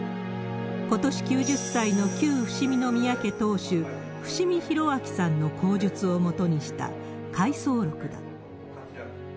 ことし９０歳の旧伏見宮家当主、伏見博明さんの口述をもとにした回想録だ。